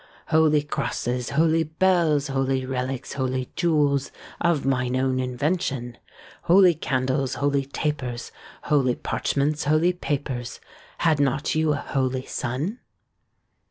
Holy crosses, holy bells, Holy reliques, holy jouels, Of mine own invention; Holy candles, holy tapers, Holy parchments, holy papers; Had not you a holy son?